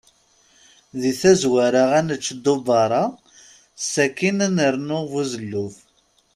Di tazwara, ad nečč dewwaṛa, sakin ad nernu buzelluf.